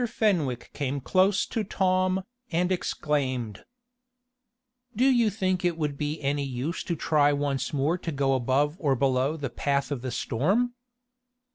Fenwick came close to Tom, and exclaimed: "Do you think it would be any use to try once more to go above or below the path of the storm?"